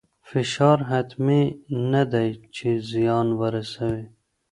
فشار حتمي نه دی چې زیان ورسوي.